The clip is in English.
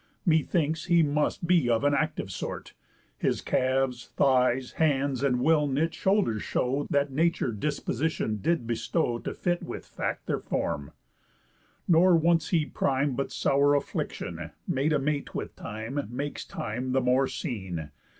Methinks, he must be of the active sort, His calves, thighs, hands, and well knit shoulders show That Nature disposition did bestow To fit with fact their form. Nor wants he prime. But sour affliction, made a mate with time, Makes time the more seen.